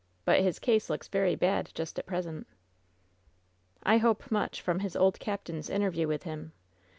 But his case looks very bad just at present/' "I hope much from his old captain's interview with him.